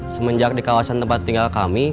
semenjak di kawasan tempat tinggal kami